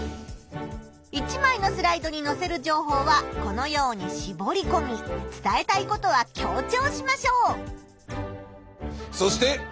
１まいのスライドにのせる情報はこのようにしぼりこみ伝えたいことは強調しましょう！